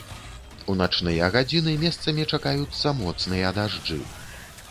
У начныя гадзіны месцамі чакаюцца моцныя дажджы.